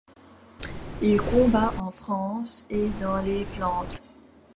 Il combat en France et dans les Flandres.